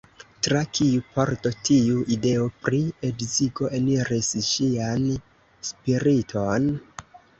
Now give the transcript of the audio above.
Tra kiu pordo tiu ideo pri edzigo eniris ŝian spiriton?